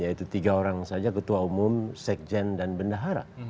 yaitu tiga orang saja ketua umum sekjen dan bendahara